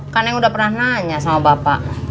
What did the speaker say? kan yang udah pernah nanya sama bapak